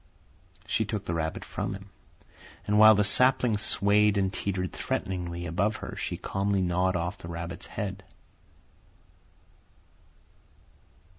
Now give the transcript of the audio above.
She took the rabbit from him, and while the sapling swayed and teetered threateningly above her she calmly gnawed off the rabbit's head.